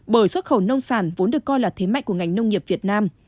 bởi xuất khẩu nông sản vốn được coi là thế mạnh của ngành nông nghiệp việt nam